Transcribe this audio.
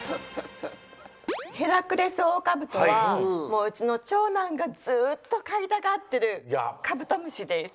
ヘラクレスオオカブトはうちのちょうなんがずっとかいたがってるカブトムシです。